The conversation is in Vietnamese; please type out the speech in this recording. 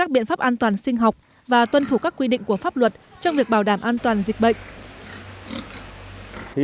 các biện pháp an toàn sinh học và tuân thủ các quy định của pháp luật trong việc bảo đảm an toàn dịch bệnh